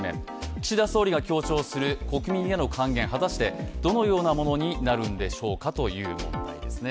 岸田総理が強調する国民への還元、果たしてどのようなものになるんでしょうかという問題ですね。